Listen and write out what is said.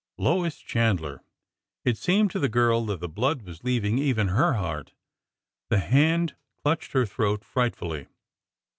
Lois Chandler! It seemed to the girl that the blood was leaving even her heart. The hand clutched her throat frightfully.